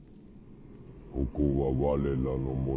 ここは我らの森。